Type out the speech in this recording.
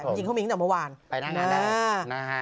จริงเขามีอีกจากเมื่อวาน